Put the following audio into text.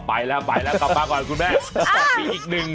อะไปแล้วไปแล้วกลับมาก่อนห้าน้องมีอีกนิ่ง